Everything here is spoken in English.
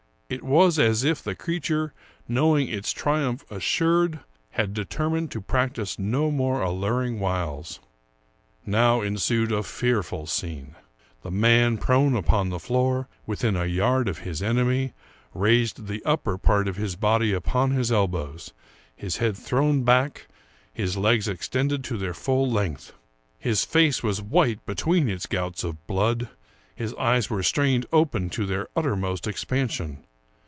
It was as if the creature, knowing its tri umph assured, had determined to practice no more allur ing wiles. Now ensued a fearful scene. The man, prone upon the floor, within a yard of his enemy, raised the upper part of his body upon his elbows, his head thrown back, his legs extended to their full length. His face was white between its gouts of blood ; his eyes were strained open to their uttermost expansion.